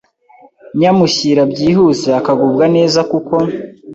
nyamushyira byihuse akagubwa neza kuko